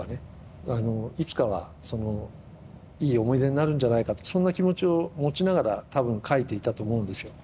いつかはいい思い出になるんじゃないかとそんな気持ちを持ちながら多分描いていたと思うんですよ。